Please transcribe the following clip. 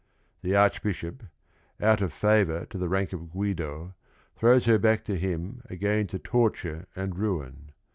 The Arch bishop, out of favor to the rank of Guido, throws her back to him again to torture and ruin.